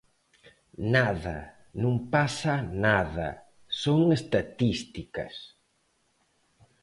Nada, non pasa nada, son estatísticas.